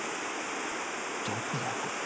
どこだここ。